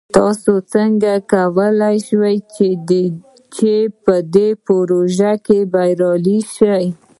تاسو څنګه کولی شئ چې په دې پروژه کې بریالي شئ؟